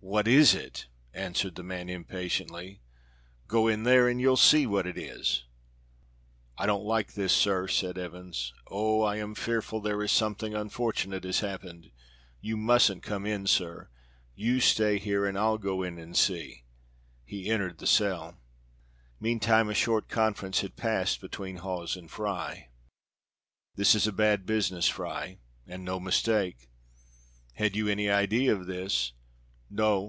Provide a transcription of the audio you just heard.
"What is it?" answered the man impatiently. "Go in there and you'll see what it is!" "I don't like this, sir," said Evans. "Oh! I am fearful there is something unfortunate has happened. You mustn't come in, sir. You stay here, and I'll go in and see." He entered the cell. Meantime a short conference had passed between Hawes and Fry. "This is a bad business, Fry." "And no mistake." "Had you any idea of this?" "No!